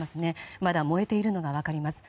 まだ燃えているのが分かります。